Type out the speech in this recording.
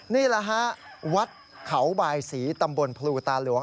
นี่แหละฮะวัดเขาบายศรีตำบลพลูตาหลวง